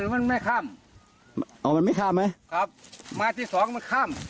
มันไม่ข้ามอ๋อมันไม่ข้ามไหมครับมาที่สองมันข้าม